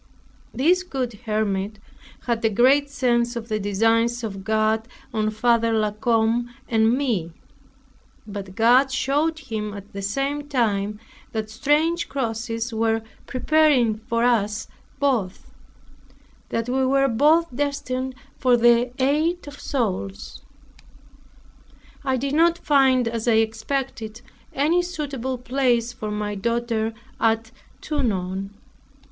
This good hermit had a great sense of the designs of God on Father La Combe and me. But God showed him at the same time that strange crosses were preparing for us both; that we were both destined for the aid of souls. I did not find, as I expected, any suitable place for my daughter at Tonon.